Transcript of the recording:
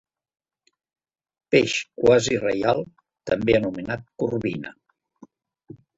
Peix quasi reial, també anomenat corbina.